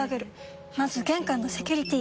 まず玄関のセキュリティ！